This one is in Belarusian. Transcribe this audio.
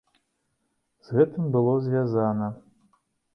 З гэтым было звязана.